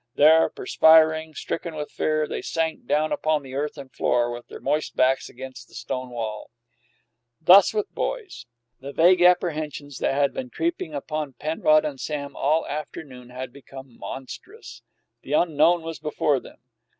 There, perspiring, stricken with fear, they sank down upon the earthen floor, with their moist backs against the stone wall. Thus with boys. The vague apprehensions that had been creeping upon Penrod and Sam all afternoon had become monstrous; the unknown was before them.